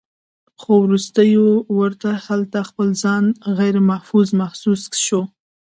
خو وروستو ورته هلته خپل ځان غيرمحفوظ محسوس شو